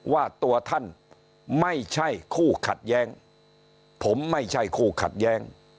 ว่าตัวท่านไม่ใช่คู่ขัดแย้งผมไม่ใช่คู่ขัดแย้ง